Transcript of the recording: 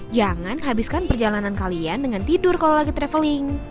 jangan habiskan perjalanan kalian dengan tidur kalau lagi traveling